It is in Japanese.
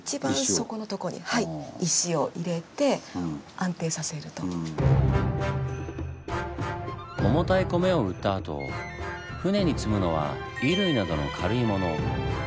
今度はさまざまな重たい米を売ったあと船に積むのは衣類などの軽いもの。